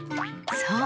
そう。